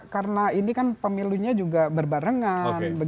karena ini kan pemilihnya juga berbarengan